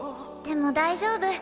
でも大丈夫。